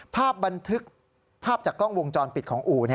ภาพบันทึกภาพจากกล้องวงจรปิดของอู่